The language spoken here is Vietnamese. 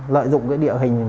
lợi dụng cái địa hình